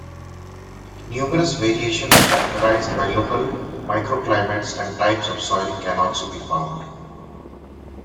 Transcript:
Numerous variations characterised by local microclimates and types of soil can also be found.